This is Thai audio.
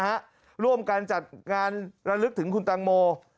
ร่วมกันจัดงานระลึกถึงคุณตังโม